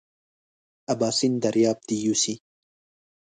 اباسین دریاب دې یوسي.